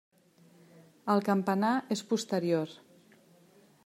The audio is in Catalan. El campanar és posterior.